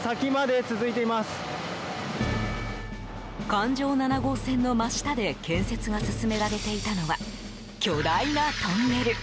環状７号線の真下で建設が進められていたのは巨大なトンネル。